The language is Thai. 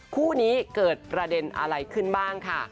คู่นี้เกิดประเด็นอะไรขึ้นบ้างค่ะ